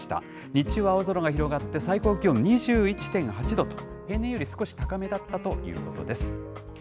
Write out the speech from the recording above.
日中は青空が広がって、最高気温２１．８度と、平年より少し高めだったということです。